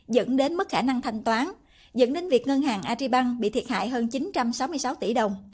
dẫn đến mất khả năng thanh toán dẫn đến việc ngân hàng ariban bị thiệt hại hơn chín trăm sáu mươi sáu tỷ đồng